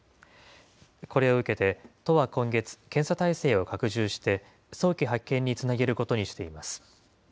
これを受けて都は今月、検査態勢を拡充して、早期発見につなげることにしています。